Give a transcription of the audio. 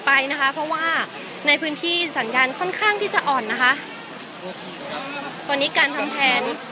ไปนะคะเพราะว่าในพื้นที่สัญญาณค่อนข้างที่จะอ่อนนะคะตอนนี้การทำแผน